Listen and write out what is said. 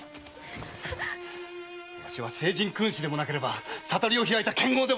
わしは聖人君子でもなければ悟りを開いた剣豪でもない。